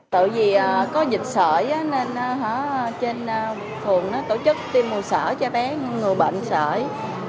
tại vì có dịch sợi nên trên phường tổ chức tiêm mù sợi cho bé người bệnh sợi